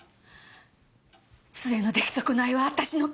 末の出来損ないは私の子。